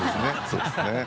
そうですね。